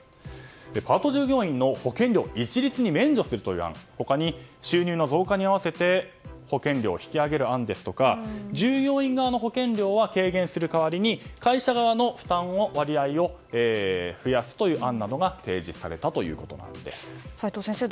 パート従業員の保険料一律に免除するという案他に収入の増加に合わせて保険料を引き上げる案ですとか従業員側の保険料は軽減する代わりに会社側の負担の割合を増やすという案などが提示されたということです。